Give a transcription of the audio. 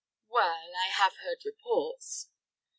"Well, I have heard reports."